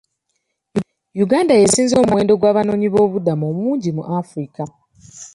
Uganda y'esinza omuwendo gw'abanoonyiboobubudamu omungi mu Africa.